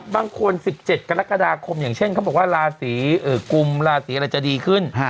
บางคน๑๗กรกฎาคมอย่างเช่นเขาบอกว่าราศีกุมราศีอะไรจะดีขึ้น